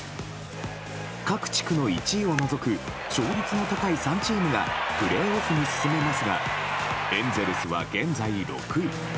各地区の１位を除く勝率の高い３チームがプレーオフに進めますがエンゼルスは現在、６位。